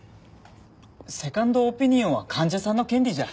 セカンドオピニオンは患者さんの権利じゃ。